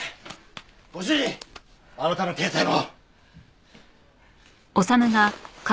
ご主人あなたの携帯も。